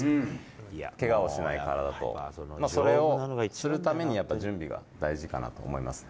けがをしない体と、それをするために、やっぱり準備が大事かなと思います。